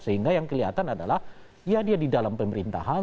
sehingga yang kelihatan adalah ya dia di dalam pemerintahan